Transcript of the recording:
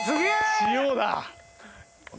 塩だ。